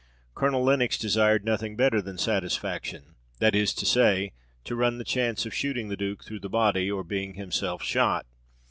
Colonel Lenox desired nothing better than satisfaction; that is to say, to run the chance of shooting the duke through the body, or being himself shot.